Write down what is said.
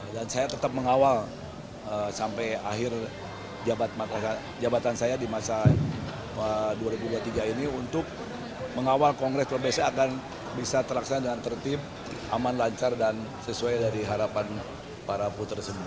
dan saya tetap mengawal sampai akhir jabatan saya di masa dua ribu dua puluh tiga ini untuk mengawal kongres luar biasa akan bisa terlaksana dengan tertib aman lancar dan sesuai dari harapan para puter semua